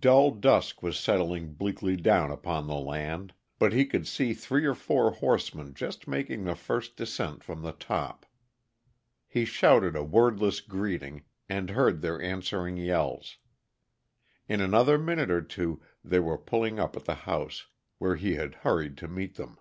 Dull dusk was settling bleakly down upon the land, but he could see three or four horsemen just making the first descent from the top. He shouted a wordless greeting, and heard their answering yells. In another minute or two they were pulling up at the house, where he had hurried to meet them.